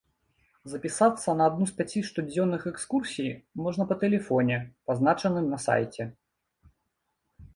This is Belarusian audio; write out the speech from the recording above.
Запісацца на адну з пяці штодзённых экскурсій можна па тэлефоне, пазначаным на сайце.